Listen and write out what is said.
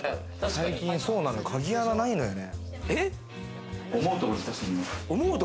最近そうなのよ、鍵穴ないのよね。